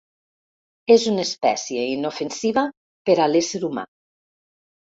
És una espècie inofensiva per a l'ésser humà.